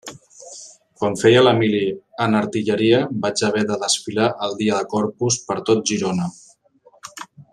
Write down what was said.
Quan feia la mili en artilleria vaig haver de desfilar el dia de Corpus per tot Girona.